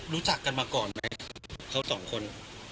รู้จักกันมาก่อนไหมเขาสองคน